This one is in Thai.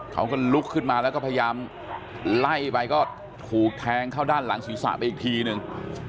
เขาก็ลุกขึ้นมาแล้วก็พยายามไล่ไปก็ถูกแทงเข้าด้านหลังศีรษะไปอีกทีนึง